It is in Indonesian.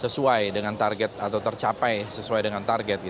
sesuai dengan target atau tercapai sesuai dengan target